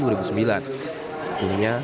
dunia cnn indonesia